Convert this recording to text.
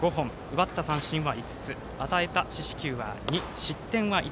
奪った三振は５つ与えた四死球は２失点は１。